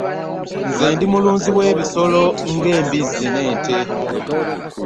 Nze ndi mulunzi we bisolo nga embizzi ne ente.